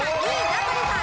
名取さん